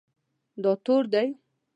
دا تور دی